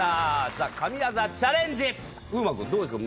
ＴＨＥ神業チャレンジ風磨君どうですか？